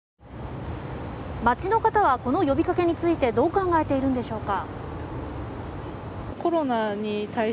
街の方はこの呼びかけについてどう考えているんでしょうか。